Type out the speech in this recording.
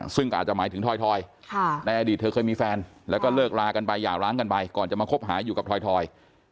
ซึ่งก็อาจจะหมายถึงถอยในอดีตเธอเคยมีแฟนแล้วก็เลิกลากันไปหย่าร้างกันไปก่อนจะมาคบหาอยู่กับทอย